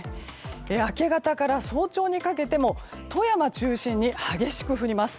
明け方から早朝にかけても富山を中心に激しく降ります。